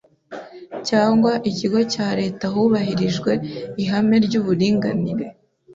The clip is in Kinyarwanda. cyangwa ikigo cya Leta hubahirijwe ihame ry’uburinganire